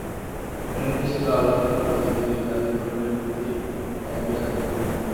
এ নির্দেশ ছিল আল্লাহর পক্ষ থেকে ইবরাহীম খলীলের প্রতি এক বিরাট পরীক্ষা।